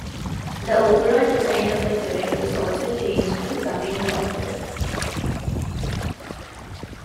The overall design of the turret was also changed, becoming longer.